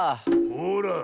ほら。